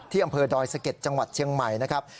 อำเภอดอยสะเก็ดจังหวัดเชียงใหม่นะครับ